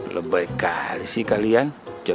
lebih kali sih kalian